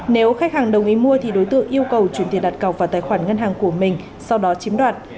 nếu khách hàng đồng ý mua thì đối tượng yêu cầu chuyển tiền đặt cọc vào tài khoản ngân hàng của mình sau đó chiếm đoạt